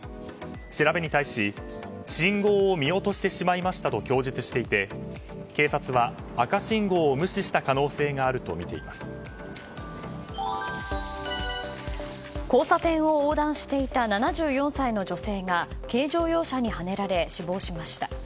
調べに対し信号を見落としてしまったと供述していて警察は赤信号を無視した可能性が交差点を横断していた７４歳の女性が軽乗用車にはねられ死亡しました。